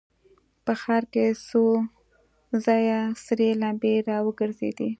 په ښار کې څو ځایه سرې لمبې را وګرځېدې.